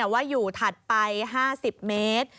ว่าอยู่ถัดไป๕๐เมตร